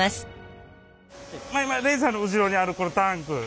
礼二さんの後ろにあるこのタンク。